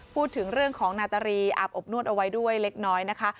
พูดถึงเรื่องของนาตรีอาบอบนวดเอาไว้ด้วยเล็กน้อยนะคะ